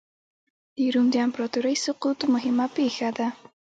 د روم د امپراتورۍ سقوط مهمه پېښه ده.